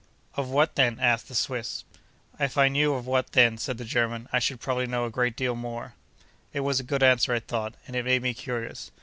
'Of what then?' asked the Swiss. 'If I knew of what then,' said the German, 'I should probably know a great deal more.' It was a good answer, I thought, and it made me curious.